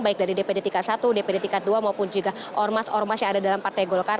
baik dari dpd tiga puluh satu dpd tingkat dua maupun juga ormas ormas yang ada dalam partai golkar